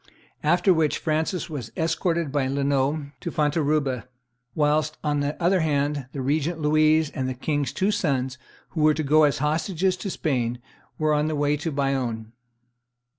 ] After which Francis was escorted by Lannoy to Fontarabia, whilst, on the other hand, the regent Louise, and the king's two sons who were to go as hostages to Spain, were on their way to Bayonne.